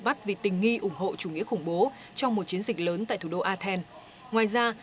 bắt vì tình nghi ủng hộ chủ nghĩa khủng bố trong một chiến dịch lớn tại thủ đô athens ngoài ra